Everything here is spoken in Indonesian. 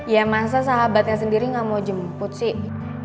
ya masa sahabatnya sendiri nggak mau jemput sih